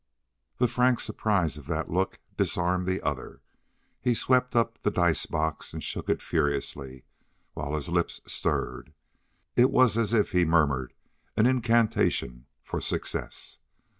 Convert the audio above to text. The frank surprise of that look disarmed the other. He swept up the dice box, and shook it furiously, while his lips stirred. It was as if he murmured an incantation for success.